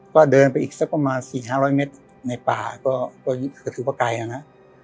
ก็เดินไปอีกสักประมาณสี่ห้าร้อยเมตรในป่าก็ก็ถือว่าไกลแล้วนะ